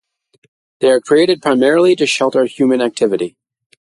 They are created primarily to shelter human activity.